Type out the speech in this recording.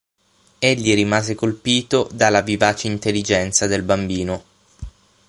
Egli rimase colpito dalla vivace intelligenza del bambino.